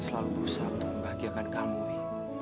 selalu berusaha untuk membahagiakan kamu wi